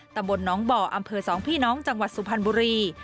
ตำบลน้องบ่ออำเภอ๒พี่น้องจังหวัดสุพรรณบุรี